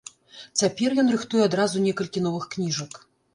Цяпер ён рыхтуе адразу некалькі новых кніжак.